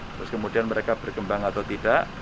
terus kemudian mereka berkembang atau tidak